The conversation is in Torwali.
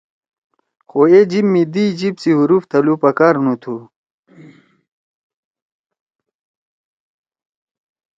خو اے جیِب می دئی جیِب سی حروف تھلُو پکار نُو تُھو۔